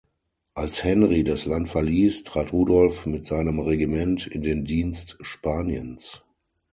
Als Henri das Land verliess, trat Rudolf mit seinem Regiment in den Dienst Spaniens.